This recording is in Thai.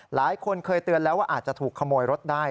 หลายคนเคยเตือนแล้วว่าอาจจะถูกขโมยรถได้